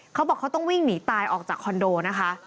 เขาบอกเขาต้องวิ่งหนีตายออกจากคอนโดนะคะ